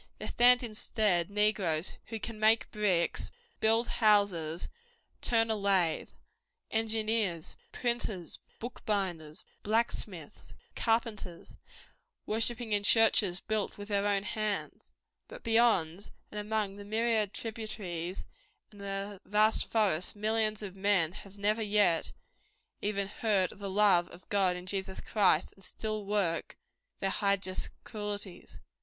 There stand instead negroes who cap make bricks, build houses, turn a lathe; engineers, printers, bookbinders, blacksmiths, carpenters, worshipping in churches built with their own hands. But beyond, and among the myriad tributaries and the vast forests millions of men have never yet even heard of the love of God in Jesus Christ, and still work their hideous cruelties.